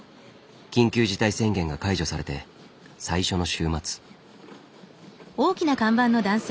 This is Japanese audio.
緊急事態宣言が解除されて最初の週末。